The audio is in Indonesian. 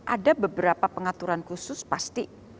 ada beberapa pengaturan khusus pasti